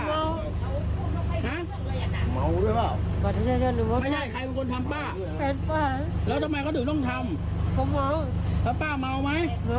แล้วทำไมเขาถึงต้องทำ